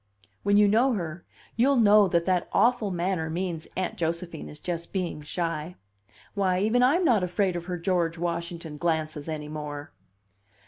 When you know her, you'll know that that awful manner means Aunt Josephine is just being shy. Why, even I'm not afraid of her George Washington glances any more!"